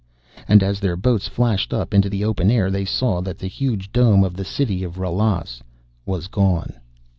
And as their boats flashed up into the open air they saw that the huge dome of the city of the Ralas was gone.